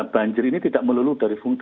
banjir ini tidak melulu dari fungsi